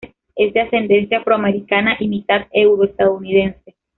Es de ascendencia afroamericana y mitad euro-estadounidense.